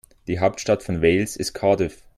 Die Hauptstadt von Wales ist Cardiff.